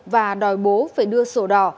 và đòi bố phải đưa sổ đỏ